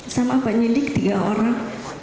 sama penyidik tiga orang